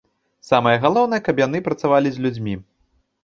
Самае галоўнае, каб яны працавалі з людзьмі.